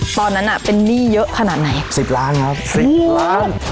ตอนนั้นอ่ะเป็นหนี้เยอะขนาดไหนสิบล้านครับสิบล้าน